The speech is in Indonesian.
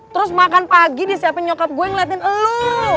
terus makan pagi disiapin nyokap gue ngeliatin elu